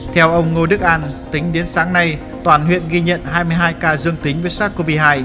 theo ông ngô đức an tính đến sáng nay toàn huyện ghi nhận hai mươi hai ca dương tính với sars cov hai